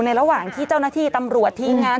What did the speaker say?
ระหว่างที่เจ้าหน้าที่ตำรวจทีมงาน